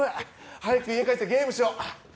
早く家帰ってゲームしよ。